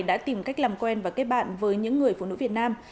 đã tìm cách làm quen và kết bạn với những người phụ nữ việt nam